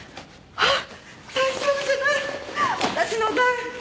あっ。